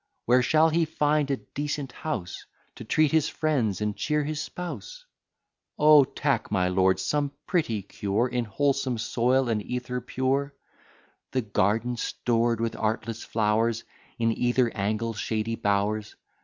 Where shall he find a decent house, To treat his friends and cheer his spouse? O! tack, my lord, some pretty cure, In wholesome soil, and ether pure; The garden stored with artless flowers, In either angle shady bowers.